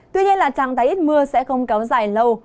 tuy nhiên là trăng tái ít mưa sẽ không kéo dài lâu